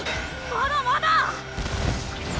まだまだ！